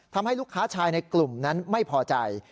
ทำให้ลูกค้าชายในกลุ่มนั้นไม่พอใจ